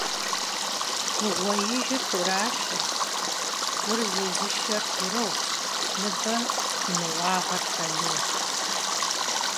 Vığuejır khuraşşeş, gur zêzışşer gurığş, nıber zımığağır heluş.